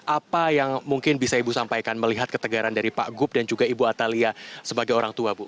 apa yang mungkin bisa ibu sampaikan melihat ketegaran dari pak gup dan juga ibu atalia sebagai orang tua bu